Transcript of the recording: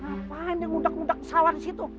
ngapain dia ngundak ngundak ke sawah disitu